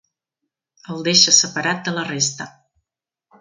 El deixa separat de la resta.